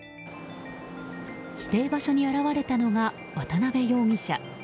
指定場所に現れたのが渡辺容疑者。